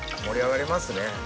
盛り上がりますね。